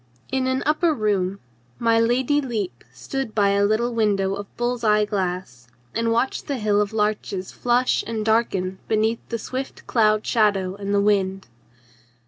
In an upper room my Lady Lepe stood by a little window of bull's eye glass and watched the hill of larches flush and darken beneath the swift cloud shadow and the wind.